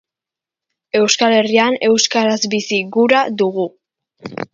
Euskal Herrian euskaraz bizi gura dugu.